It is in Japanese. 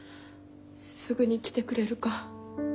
すぐに来てくれるか。